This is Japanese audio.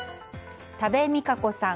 多部未華子さん